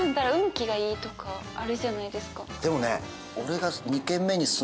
でもね。